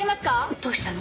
どうしたの？